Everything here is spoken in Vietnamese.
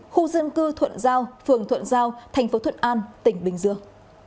khu dân cư thuận giao phường thuận giao thành phố thuận an tỉnh bình dương